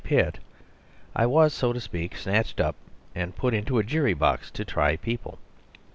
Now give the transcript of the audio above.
Pitt, I was, so to speak, snatched up and put into a jury box to try people.